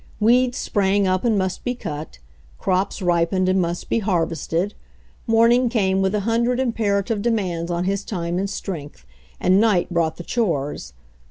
Weeds sprang up and must be cut, crops ripened and must be harvested, morning came with a hundred imperative de mands on his time and strength, and night brought the chores.